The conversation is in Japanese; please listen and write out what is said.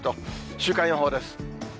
週間予報です。